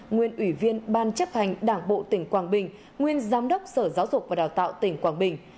nguyên ủy viên ban chấp hành đảng bộ tỉnh quảng bình nguyên giám đốc sở giáo dục và đào tạo tỉnh quảng bình